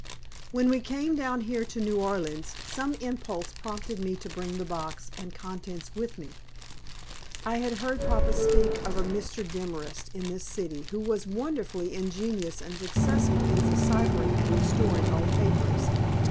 When we came down here to New Orleans some impulse prompted me to bring the box and contents with me. I had heard papa speak of a Mr. Demorest in this city who was wonderfully ingenious and successful in deciphering and restoring old papers.